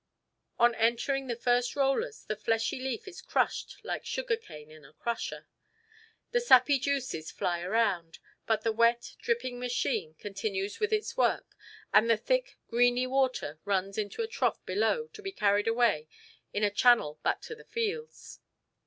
On entering the first rollers the fleshy leaf is crushed like sugar cane in a crusher. The sappy juices fly around, but the wet, dripping machine continues with its work and the thick, greeny water runs into a trough below to be carried away in a channel back to the fields.